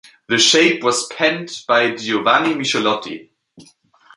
The shape was penned by Giovanni Michelotti.